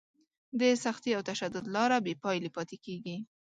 د سختي او تشدد لاره بې پایلې پاتې کېږي.